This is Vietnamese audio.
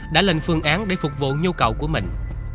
để lại cho con của mình